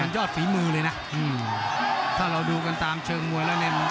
ยอดฝีมือเลยนะถ้าเราดูกันตามเชิงมวยแล้วเนี่ย